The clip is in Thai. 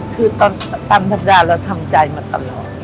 คือตามสัปดาห์เราทำใจมาตลอด